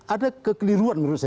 ada kekeliruan menurut saya